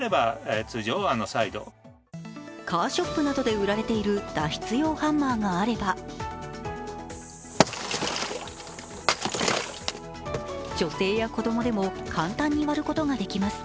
カーショップなどで売られている脱出用ハンマーがあれば女性や子供でも簡単に割ることができます。